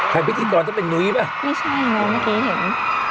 ใครพิกกรจะเป็นหนุ๊ยป่ะไม่ใช่เนอะเมื่อกี้เห็น